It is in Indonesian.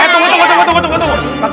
tunggu tunggu tunggu